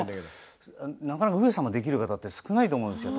なかなか、上様ができる方って少ないと思うんですよ。